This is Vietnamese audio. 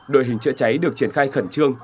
đội hình chữa cháy được triển khai khẩn trương